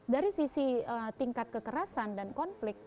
dari sisi tingkat kekerasan dan konflik